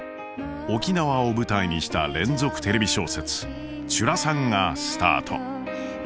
沖縄を舞台にした連続テレビ小説「ちゅらさん」がスタート。